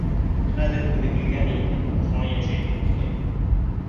Хәҙер күнегелгән инде, шуға йәшәйбеҙ бергә...